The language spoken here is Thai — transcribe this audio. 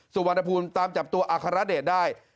สุวรรณภูมิตามจับตัวอัครเดชได้